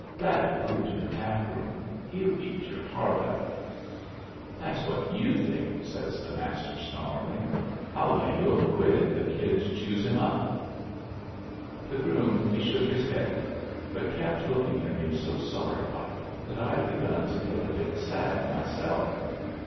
"That brute in the tap room he'll eat your heart out." "That's what you think," says the Master, snarling. "I'll lay you a quid the Kid chews him up." The groom he shook his head, but kept looking at me so sorry like that I begun to get a bit sad myself.